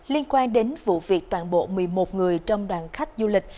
liên quan đến vụ việc toàn bộ một mươi một người trong đoàn khách du lịch